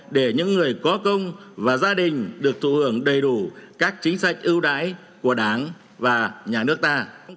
để những người có công và gia đình được thụ hưởng đầy đủ các chính sách ưu đãi của đảng và nhà nước ta